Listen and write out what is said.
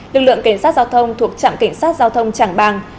lực lượng cảnh sát giao thông thuộc trạm cảnh sát giao thông trảng bàng